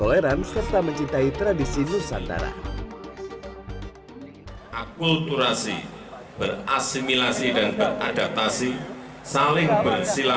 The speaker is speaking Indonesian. lebih kokoh dengan kategori kursus organisasi